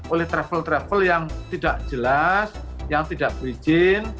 oleh travel travel yang tidak jelas yang tidak berizin